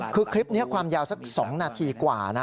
คือคลิปนี้ความยาวสัก๒นาทีกว่านะ